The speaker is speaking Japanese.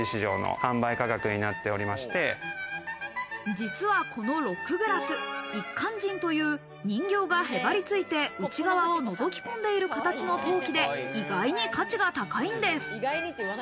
実はこのロックグラス、一閑人という人形がへばりついて内側を覗き込んでいる形の陶器で、意外に価値が高いんです。